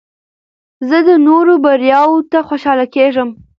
زه د نورو بریاوو ته خوشحاله کېږم.